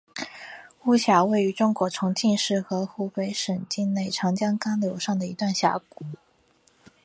巫峡位于中国重庆市和湖北省境内长江干流上的一段峡谷。